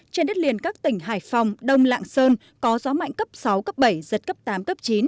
trên đất liền các tỉnh hải phòng đông lạng sơn có gió mạnh cấp sáu cấp bảy giật cấp tám cấp chín